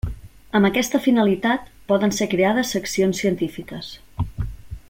Amb aquesta finalitat, poden ser creades seccions científiques.